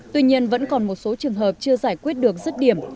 tuy nhiên vẫn còn một số trường hợp chưa giải quyết được rứt điểm